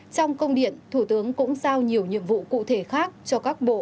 trong công điện thủ tướng cũng giao nhiều nhiệm vụ cụ thể khác cho các bộ